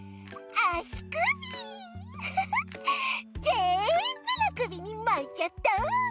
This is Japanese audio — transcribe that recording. ぜんぶのくびにまいちゃった！